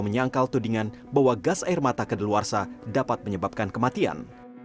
menyangkal tudingan bahwa gas air mata ke deluarsa dapat menyebabkan kematian